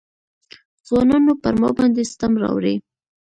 ځوانانو پر ما باندې ستم راوړی.